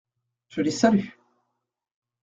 Je les salue.